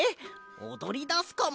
おどりだすかも。